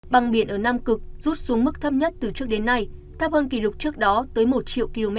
băng biển ở nam cực rút xuống mức thấp nhất từ trước đến nay thấp hơn kỷ lục trước đó tới một triệu km